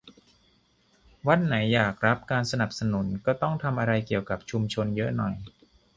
วัดไหนอยากได้รับการสนับสนุน ก็ต้องทำอะไรเกี่ยวกับชุมชนเยอะหน่อย